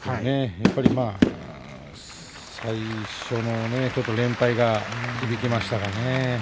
やっぱり最初の連敗が響きましたね。